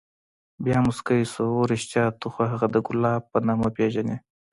بيا موسكى سو اوه رښتيا ته خو هغه د ګلاب په نامه پېژنې.